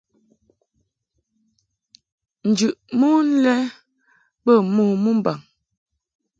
Njɨʼ mon lɛ bə mo mɨmbaŋ.